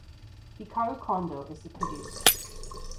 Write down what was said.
Hikaru Kondo is the producer.